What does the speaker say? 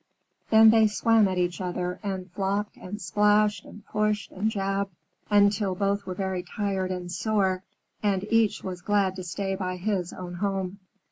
Then they swam at each other and flopped and splashed and pushed and jabbed until both were very tired and sore, and each was glad to stay by his own home.